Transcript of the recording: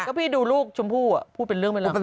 ก็ดูลูกชมพูอ่ะพูดเป็นเรื่องไปหลัง